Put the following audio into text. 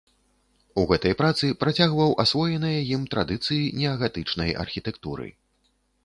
У гэтай працы працягваў асвоеныя ім традыцыі неагатычнай архітэктуры.